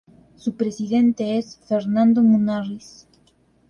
Su presidente es Fernando Munárriz.